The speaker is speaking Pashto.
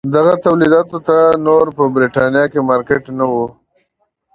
دغو تولیداتو ته نور په برېټانیا کې مارکېټ نه و.